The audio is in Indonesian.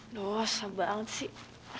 dosa banget sih